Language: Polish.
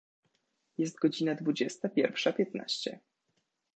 Jest godzina dwudziesta pierwsza piętnaście.